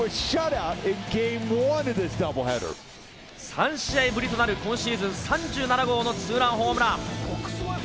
３試合ぶりとなる今シーズン３７号のツーランホームラン。